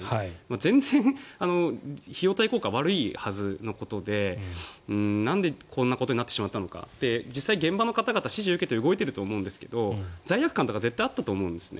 全然費用対効果は悪いはずのことでなんでこんなことになってしまったのか実際、現場の方々、指示を受けて動いていると思いますが罪悪感とか絶対にあったと思うんですね。